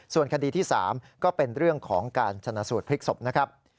ส่วนคดีที่๓ก็เป็นเรื่องของการชนะสูตรพลิกศพนะครับ